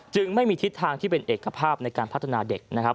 ไม่มีทิศทางที่เป็นเอกภาพในการพัฒนาเด็กนะครับ